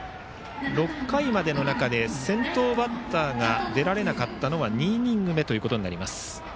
６回までの中で先頭バッターが出られなかったのは２イニング目となります。